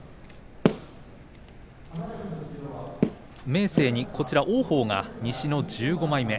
明生に王鵬が西の１５枚目。